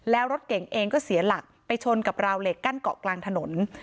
แล้วรถเก่งเองก็เสียหลักไปชนกับราวเหล็กกั้นเกาะกลางถนน